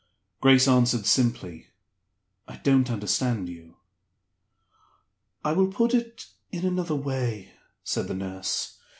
Grace answered, simply, "I don't understand you." "I will put it in another way," said the nurse.